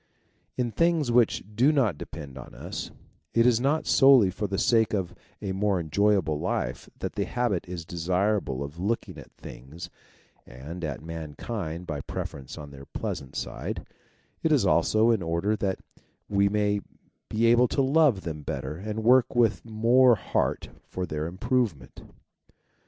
In things which do not depend on us, it is not solely for the sake of a more enjoyable life that the habit is desirable of looking at things and at mankind by preference on their pleasant side ; it is also in order that we may be able to love them better and work with more heart for their improvement.